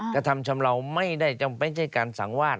กระทำชำเลาไม่ได้ไม่ใช่การสังวาด